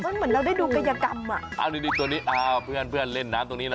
เหมือนเราได้ดูกายกรรมนี่ตัวนี้เพื่อนเล่นน้ำตรงนี้นะ